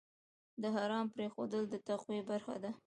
د حرام پرېښودل د تقوی برخه ده.